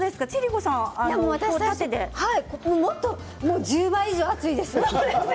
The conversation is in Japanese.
私もっと１０倍以上厚いです。